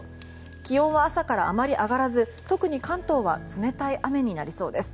気温は朝からあまり上がらず特に関東は冷たい雨になりそうです。